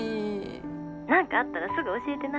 何かあったらすぐ教えてな。